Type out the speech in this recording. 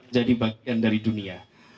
jadi bagian dari dunia